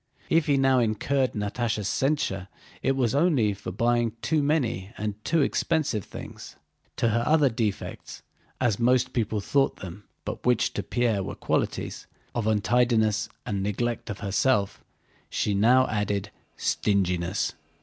If he now incurred Natásha's censure it was only for buying too many and too expensive things. To her other defects (as most people thought them, but which to Pierre were qualities) of untidiness and neglect of herself, she now added stinginess.